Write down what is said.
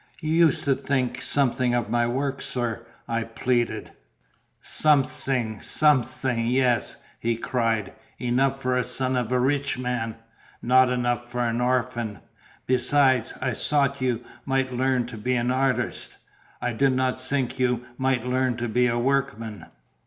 "You used to think something of my work, sir," I pleaded. "Somesing, somesing yes!" he cried; "enough for a son of a reech man not enough for an orphan. Besides, I sought you might learn to be an artist; I did not sink you might learn to be a workman."